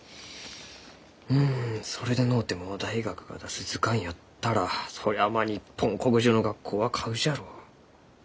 うんそれでのうても大学が出す図鑑やったらそりゃまあ日本国中の学校は買うじゃろう。